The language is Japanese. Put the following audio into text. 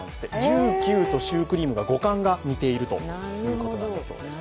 １９とシュークリームが語感が似ているということなんだそうです。